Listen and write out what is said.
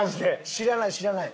知らない知らない。